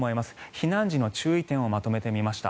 避難時の注意点をまとめてみました。